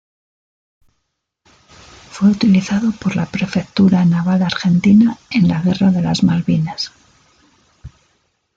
Fue utilizado por la Prefectura Naval Argentina en la Guerra de las Malvinas.